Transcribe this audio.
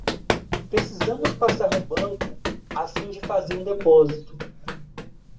Precisamos passar no banco a fim de fazer um depósito